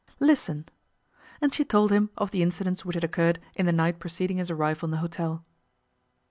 'Listen.' And she told him of the incidents which had occurred in the night preceding his arrival in the hotel.